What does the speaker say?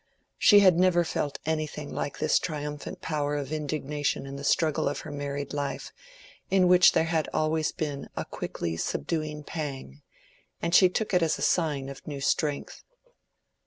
She had never felt anything like this triumphant power of indignation in the struggle of her married life, in which there had always been a quickly subduing pang; and she took it as a sign of new strength.